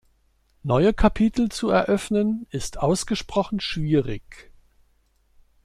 Neue Kapitel zu eröffnen ist ausgesprochen schwierig.